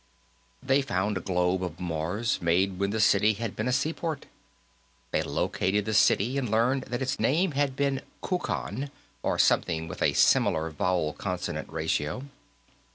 They found a globe of Mars, made when the city had been a seaport. They located the city, and learned that its name had been Kukan or something with a similar vowel consonant ratio.